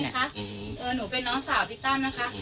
หนูเป็นน้องสาวพี่ต้อมนะคะ